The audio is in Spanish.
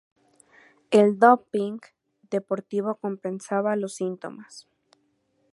El doping deportivo compensaba los síntomas.